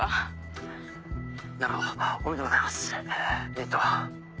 えっと。